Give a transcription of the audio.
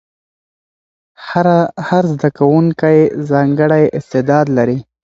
هر زده کوونکی ځانګړی استعداد لري.